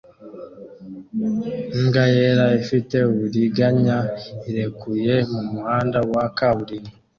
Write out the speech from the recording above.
Imbwa yera ifite uburiganya irekuye mumuhanda wa kaburimbo